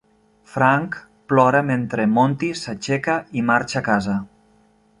Frank plora mentre Monty s'aixeca i marxa a casa.